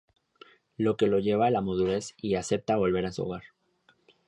Lo que lo lleva a la madurez y acepta volver a su hogar.